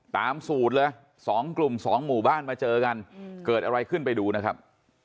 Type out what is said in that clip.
ตามสูตรเลย๒กลุ่ม๒หมู่บ้านมาเจอกันเกิดอะไรขึ้นไปดูนะครับ